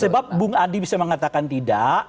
sebab bung adi bisa mengatakan tidak